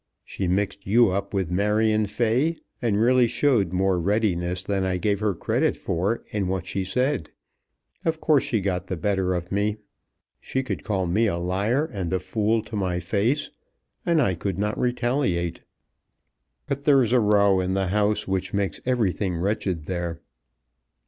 She mixed you up with Marion Fay, and really showed more readiness than I gave her credit for in what she said. Of course she got the better of me. She could call me a liar and a fool to my face, and I could not retaliate. But there's a row in the house which makes everything wretched there."